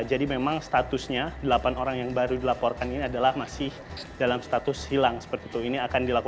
jadi memang statusnya delapan orang ini ada di rumah sakit namun belum didata